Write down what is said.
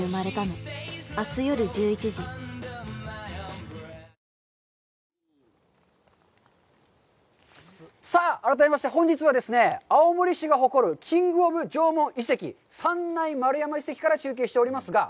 いやあ、なんかリフレッシュ一緒にできたさあ改めまして、本日はですね、青森市が誇るキング・オブ・縄文遺跡、三内丸山遺跡から中継しておりますが。